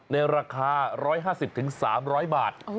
ในราคา๑๕๐๓๐๐บาท